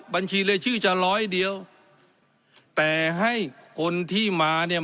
บัญชีเลยชื่อจะร้อยเดียวแต่ให้คนที่มาเนี่ย